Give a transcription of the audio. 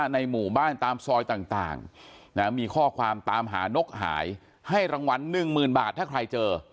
ในหมู่บ้านตามซอยต่างมีข้อความตามหานกหายให้รางวัล๑๐๐๐บาทถ้าใครเจอ